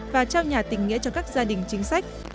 và trao nhà tình nghĩa cho các gia đình chính sách